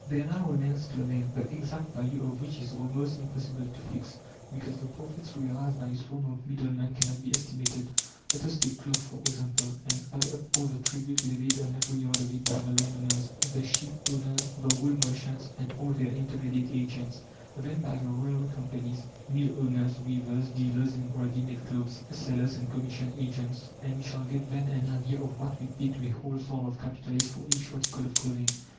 There now remains clothing, the exact value of which is almost impossible to fix, because the profits realized by a swarm of middlemen cannot be estimated. Let us take cloth, for example, and add up all the tribute levied on every yard of it by the landowners, the sheep owners, the wool merchants, and all their intermediate agents, then by the railway companies, mill owners, weavers, dealers in ready made clothes, sellers and commission agents, and we shall get then an idea of what we pay to a whole swarm of capitalists for each article of clothing.